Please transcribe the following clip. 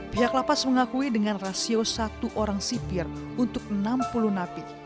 pihak lapas mengakui dengan rasio satu orang sipir untuk enam puluh napi